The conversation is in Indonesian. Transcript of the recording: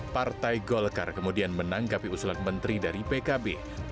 partai golkar kemudian menanggapi usulan menteri dari pkb